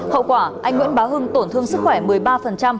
hậu quả anh nguyễn bá hưng tổn thương sức khỏe một mươi ba